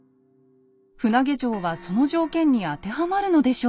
船上城はその条件に当てはまるのでしょうか？